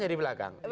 itu di belakang